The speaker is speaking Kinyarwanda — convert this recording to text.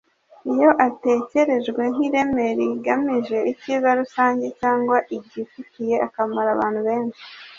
iyo atekerejwe nk’ireme rigamije icyiza rusange cyangwa igifitiye akamaro abantu benshi